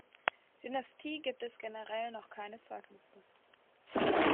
Dynastie gibt es generell noch keine Zeugnisse.